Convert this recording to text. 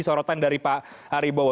sorotan dari pak ari bowo